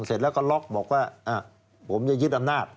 เสร็จแล้วก็ล็อกบอกว่าผมจะยึดอำนาจ